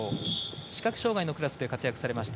視覚障がいのクラスで活躍されました